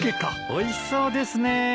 おいしそうですねえ。